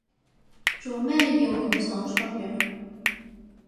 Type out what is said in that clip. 做咩要拱手相讓